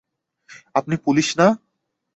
আপনি পুলিশ না?